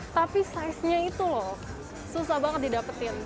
tapi size nya itu loh susah banget didapetin